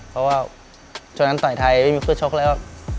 เพราะว่าช่วงนั้นต่อยไทยไม่มีคู่ชกแล้ว